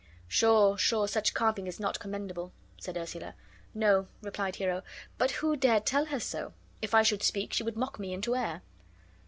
"Sure@ sure, such carping is not commendable," said Ursula. "No," replied Hero, "but who dare tell her so? If I should speak, she would mock me into air."